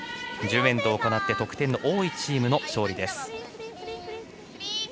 １０エンド行って得点の多いチームの勝利です。